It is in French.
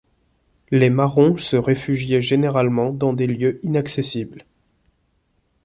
Les Marrons se réfugiaient généralement dans des lieux inaccessibles.